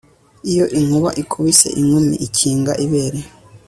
iyo inkuba ikubise inkumi ikinga ibere